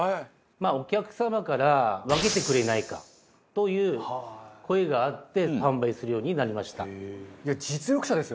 お客様から分けてくれないかという声があって販売するようになりました。